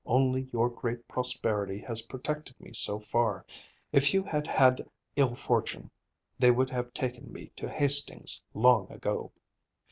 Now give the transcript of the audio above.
Only your great prosperity has protected me so far. If you had had ill fortune, they would have taken me to Hastings long ago."